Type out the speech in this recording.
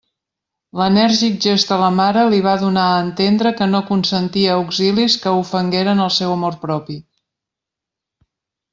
L'enèrgic gest de la mare li va donar a entendre que no consentia auxilis que ofengueren el seu amor propi.